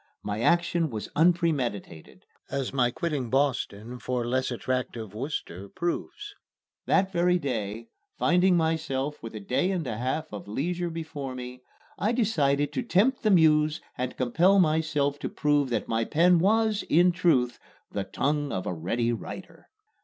My action was unpremeditated, as my quitting Boston for less attractive Worcester proves. That very day, finding myself with a day and a half of leisure before me, I decided to tempt the Muse and compel myself to prove that my pen was, in truth, "the tongue of a ready writer."